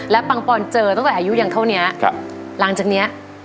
แล้วปังปอนด์เจอตั้งแต่อายุอย่างเท่านี้ครับหลังจากเนี้ย